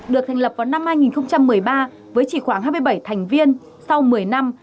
được thành lập vào năm hai nghìn một mươi ba với chỉ khoảng hai mươi bảy thành viên sau một mươi năm